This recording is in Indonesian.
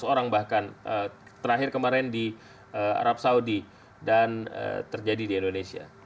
lima ratus orang bahkan terakhir kemarin di arab saudi dan terjadi di indonesia